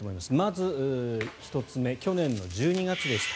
まず１つ目去年の１２月でした。